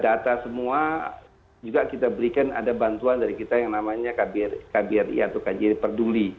data semua juga kita berikan ada bantuan dari kita yang namanya kbri atau kjri perduli